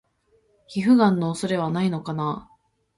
皮膚ガンの恐れはないのかな？